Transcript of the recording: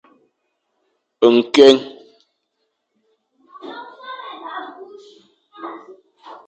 Nkueng.